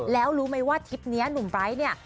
แล้วรู้มั้ยว่าคลิปนี้นุ่มบริร์ตเนี่ย